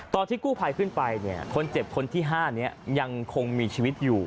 ตอนที่กู้ภัยขึ้นไปเนี่ยคนเจ็บคนที่๕นี้ยังคงมีชีวิตอยู่